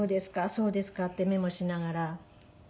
そうですか」ってメモしながら。